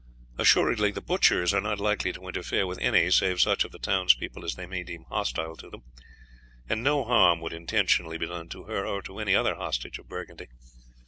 Assuredly the butchers are not likely to interfere with any save such of the townspeople as they may deem hostile to them, and no harm would intentionally be done to her or to any other hostage of Burgundy.